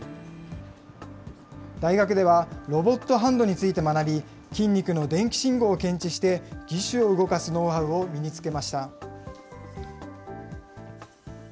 大学では、ロボットハンドについて学び、筋肉の電気信号を検知して、義手を動かすノウハウを身につけました。